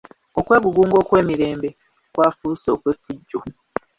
Okwegugunga okw'emirembe kwafuuse okw'effujjo.